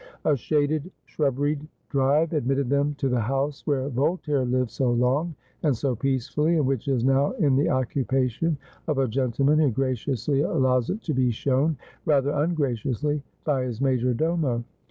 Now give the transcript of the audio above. A shaded shrubberied drive admitted them to the house where Voltaire lived so long and so peacefully, and which is noAv in the occupation of a gentleman who graciously allows it to be shown — rather ungraciously— by his major domo.